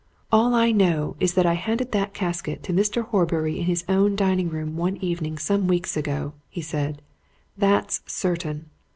"All I know is that I handed that casket to Mr. Horbury in his own dining room one evening some weeks ago," he said. "That's certain!